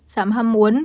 giảm ham muốn